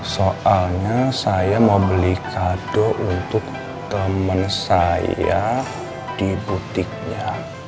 soalnya saya mau beli kado untuk teman saya di butiknya